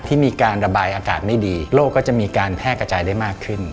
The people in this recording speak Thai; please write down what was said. ที่มีการระบายอากาศไม่ดีโรคก็จะมีการแพร่กระจายได้มากขึ้น